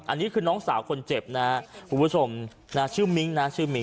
อันนี้คือน้องสาวคนเจ็บนะครับคุณผู้ชมชื่อมิ้งค์นะ